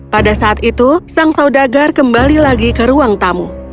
pada saat itu sang saudagar kembali lagi ke ruang tamu